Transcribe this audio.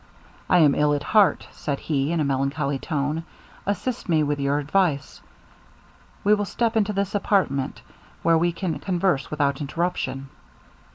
'I am ill at heart,' said he, in a melancholy tone, 'assist me with your advice. We will step into this apartment, where we can converse without interruption.'